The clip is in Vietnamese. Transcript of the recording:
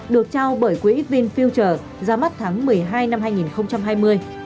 được trao bởi quỹ vinfielder ra mắt tháng một mươi hai năm hai nghìn hai mươi